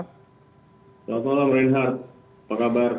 selamat malam reinhardt apa kabar